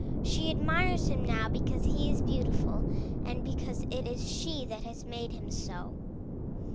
She admires him now because he is beautiful, and because it is she that has made him so.